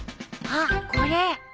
あっこれ！